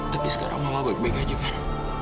tapi sekarang mama baik baik aja kan